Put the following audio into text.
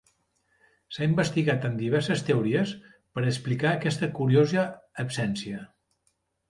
S'ha investigat en diverses teories per explicar aquesta curiosa absència.